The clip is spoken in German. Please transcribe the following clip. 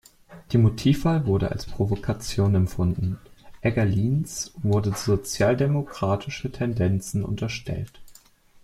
Die Motivwahl wurde als Provokation empfunden, Egger-Lienz wurden sozialdemokratische Tendenzen unterstellt.